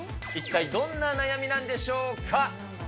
一体、どんな悩みなんでしょうか？